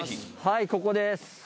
はいここです。